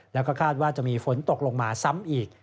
แล้วก็คาดว่าจะมีฝนตกลงมาซ้ำอีก